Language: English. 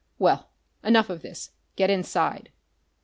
Well, enough of this. Get inside.